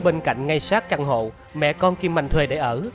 bên cạnh ngay sát căn hộ mẹ con kim anh thuê để ở